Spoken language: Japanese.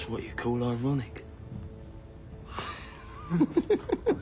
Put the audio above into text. フフフ。